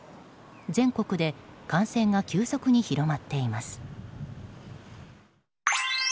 全国で感染が急速に広まっています。